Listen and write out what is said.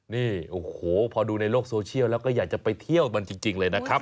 นี่โอ้โหพอดูในโลกโซเชียลแล้วก็อยากจะไปเที่ยวมันจริงเลยนะครับ